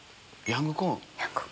ヤングコーン。